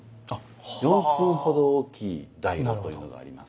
四寸ほど大きい大炉というのがあります。